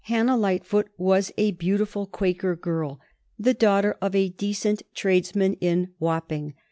Hannah Lightfoot was a beautiful Quaker girl, the daughter of a decent tradesman in Wapping.